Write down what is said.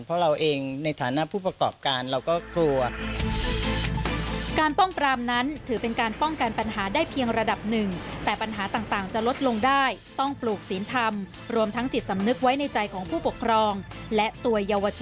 เพราะเราเองในฐานะผู้ประกอบการเราก็กลัว